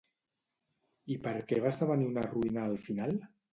I per què va esdevenir una ruïna al final?